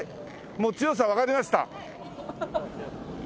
もう強さわかりました。